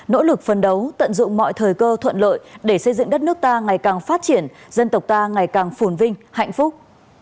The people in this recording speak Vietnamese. nỗ lực phân đấu tận dụng mọi thời cơ thuận lợi để xây dựng đất nước ta ngày càng phát triển dân tộc ta ngày càng phồn vinh hạnh phúc